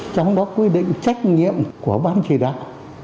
trong đó quy định trách nhiệm của ban chỉ đạo